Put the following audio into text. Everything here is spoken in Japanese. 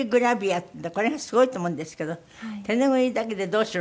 これがすごいと思うんですけど手拭いだけでどうしろっていうんですか？